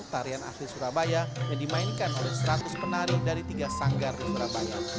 tarian asli surabaya yang dimainkan oleh seratus penari dari tiga sanggar di surabaya